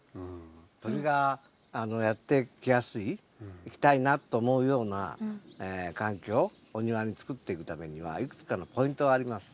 鳥がやって来やすい来たいなと思うような環境お庭に作っていくためにはいくつかのポイントがあります。